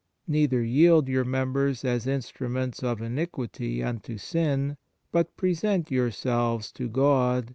Neither yield your members as instruments of iniquity unto sin, but present yourselves to God